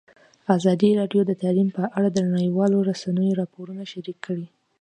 ازادي راډیو د تعلیم په اړه د نړیوالو رسنیو راپورونه شریک کړي.